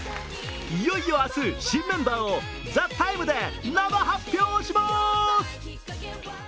いよいよ明日、新メンバーを「ＴＨＥＴＩＭＥ，」で生発表します。